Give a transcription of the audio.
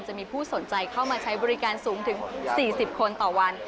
จะมีผู้สนใจเข้ามาใช้บริการสูงถึง๔๐คนต่อวัน